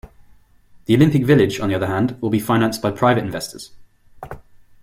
The Olympic village, on the other hand, will be financed by private investors.